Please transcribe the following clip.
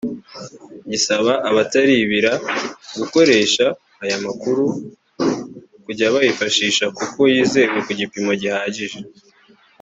gisaba abataribira gukoresha aya amakuru kujya bayifashisha kuko yizewe ku gipimo gihagije